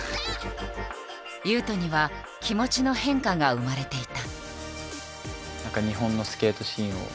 雄斗には気持ちの変化が生まれていた。